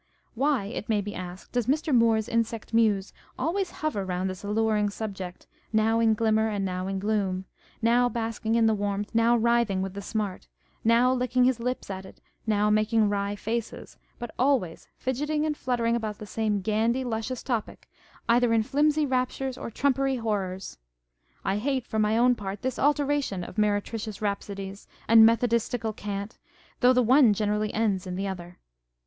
Why, it may be asked, does Mr. Moore's insect Muse always hover round this alluring subject, " now in glimmer and now in gloom "â€"now basking in the warmth, now writhing with the smart â€" now licking his lips at it, now making wry faces â€" but always fidget ing and fluttering about the same gaudy, luscious topic, either in flimsy raptures or trumpery horrors ? I hate, for my own part, this alternation of meretricious rhap sodies and methodistical cant, though the one generally ends in the other.